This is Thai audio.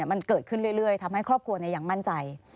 มันเกิดขึ้นเรื่อยทำให้ครอบครัวยังมั่นใจ